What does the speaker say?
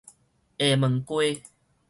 廈門街